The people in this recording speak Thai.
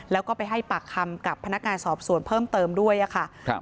แล้วก็ไปให้ปากคำกับพนักงานสอบสวนเพิ่มเติมด้วยค่ะครับ